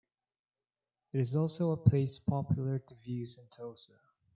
It is also a place popular to view Sentosa.